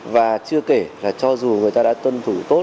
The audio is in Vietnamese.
và chưa kể là cho dù người ta đã tuân thủ tốt cái quy trình đó